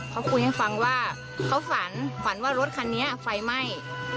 เขาคุยให้ฟังว่าเขาฝันฝันว่ารถคันนี้ไฟไหม้